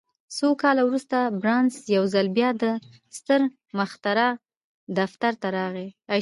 څو کاله وروسته بارنس يو ځل بيا د ستر مخترع دفتر ته راغی.